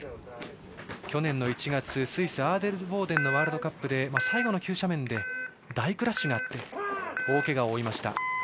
去年の１月スイス・アーデルボーデンのワールドカップで最後の急斜面で大クラッシュがあっておおけがを負いました。